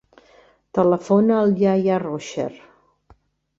Telefona al Yahya Rocher.